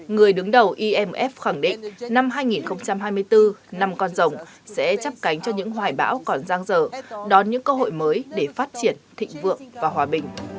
người đứng đầu imf khẳng định năm hai nghìn hai mươi bốn năm con rồng sẽ chấp cánh cho những hoài bão còn giang dở đón những cơ hội mới để phát triển thịnh vượng và hòa bình